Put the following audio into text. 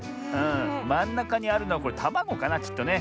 まんなかにあるのはたまごかなきっとね。